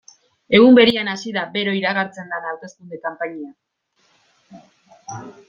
Egun berean hasi da bero iragartzen den hauteskunde kanpaina.